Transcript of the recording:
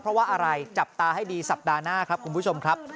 เพราะว่าอะไรจับตาให้ดีสัปดาห์หน้าครับคุณผู้ชมครับ